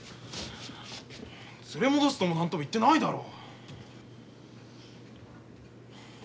連れ戻すとも何とも言ってないだろ。